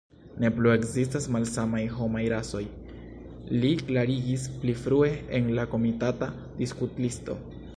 Ne plu ekzistas malsamaj homaj rasoj, li klarigis pli frue en la komitata diskutlisto.